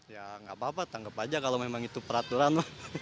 ya nggak apa apa tanggap aja kalau memang itu peraturan lah